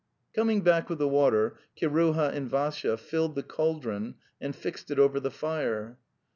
Coming back with the water, Kiruha and Vassya filled the cauldron and fixed it over the fire.